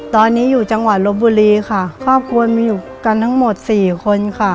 ตอนนี้อยู่จังหวัดลบบุรีค่ะครอบครัวมีอยู่กันทั้งหมดสี่คนค่ะ